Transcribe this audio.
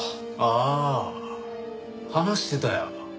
ああ話してたよ。